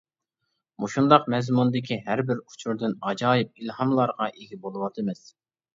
مۇشۇنداق مەزمۇندىكى ھەربىر ئۇچۇردىن ئاجايىپ ئىلھاملارغا ئىگە بولۇۋاتىمىز.